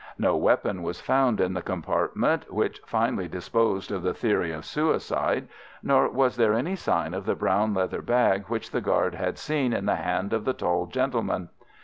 No weapon was found in the compartment (which finally disposed of the theory of suicide), nor was there any sign of the brown leather bag which the guard had seen in the hand of the tall gentleman.